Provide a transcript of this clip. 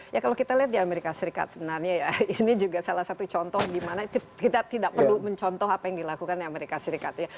ya kalau kita lihat di amerika serikat sebenarnya ya ini juga salah satu contoh dimana kita tidak perlu mencontoh apa yang dilakukan di amerika serikat ya